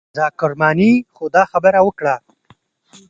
رضا کرماني خو دا خبره وکړه.